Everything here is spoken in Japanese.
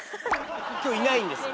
今日いないんですよ。